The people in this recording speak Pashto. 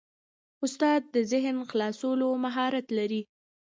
استاد د ذهن خلاصولو مهارت لري.